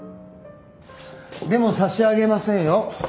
でも差し上げませんよ。